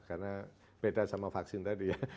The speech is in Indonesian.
karena beda sama vaksin tadi ya